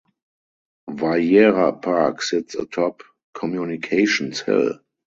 Vieira Park sits atop Communications Hill.